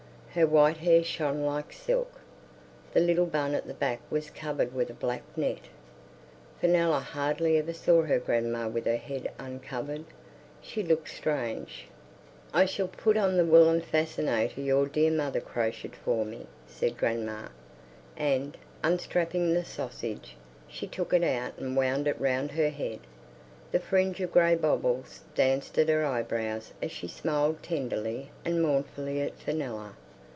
Her white hair shone like silk; the little bun at the back was covered with a black net. Fenella hardly ever saw her grandma with her head uncovered; she looked strange. "I shall put on the woollen fascinator your dear mother crocheted for me," said grandma, and, unstrapping the sausage, she took it out and wound it round her head; the fringe of grey bobbles danced at her eyebrows as she smiled tenderly and mournfully at Fenella.